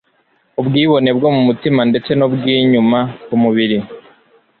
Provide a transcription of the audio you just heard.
ubwibone bwo mutima ndetse n'ubwinyuma ku mubiri,